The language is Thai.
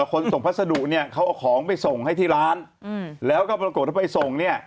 คนส่งพัสดุเนี่ยเขาเอาของไปส่งให้ที่ร้านแล้วก็ปรากฏว่าไปส่งเนี่ย